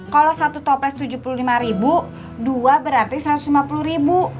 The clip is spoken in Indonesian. kalau satu toples tujuh puluh lima ribu dua berarti satu ratus lima puluh ribu